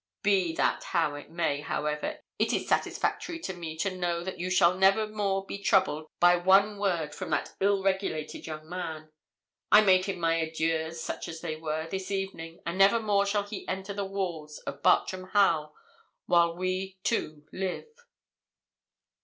Be that how it may, however, it is satisfactory to me to know that you shall never more be troubled by one word from that ill regulated young man. I made him my adieux, such as they were, this evening; and never more shall he enter the walls of Bartram Haugh while we two live.'